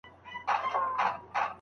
کلمو استعمال په املا پوري تړلی دی.